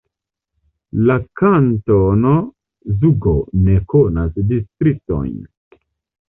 La kantono Zugo ne konas distriktojn.